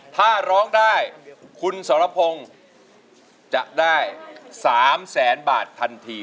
ถ้าร้องได้คุณสรพงศ์จะได้๓แสนบาททันที